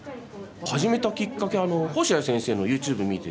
始めたきっかけは星合先生のＹｏｕＴｕｂｅ見てて。